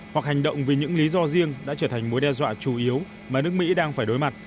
hoặc hành động vì những lý do riêng đã trở thành mối đe dọa chủ yếu mà nước mỹ đang phải đối mặt